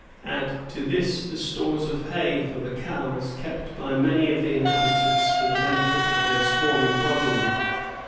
"^ Add to this the stores of hay for the cows kept by many of the inhabitants for the benefit of their swarming progeny.